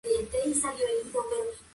Al final del torneo decidió no continuar.